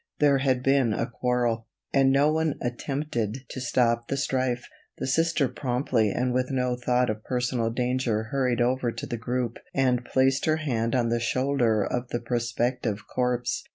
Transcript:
There had been a quarrel, and no one attempted to stop the strife. The Sister promptly and with no thought of personal danger hurried over to the group and placed her hand on the shoulder of the prospective corpse.